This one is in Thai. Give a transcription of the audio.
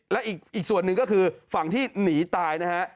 และอีกส่วนหนึ่งก็คือฝั่งที่หนีตายนะฮะ